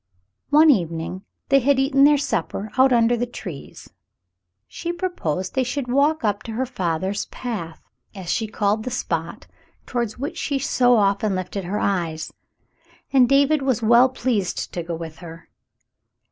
One evening, — they had eaten their supper out under 202 The Mountain Girl the trees, — she proposed they should walk up to her father's path, as she called the spot toward which she so often lifted her eyes, and David was well pleased to go with her.